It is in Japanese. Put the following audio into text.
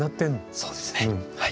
そうですねはい。